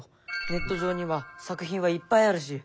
ネット上には作品はいっぱいあるし。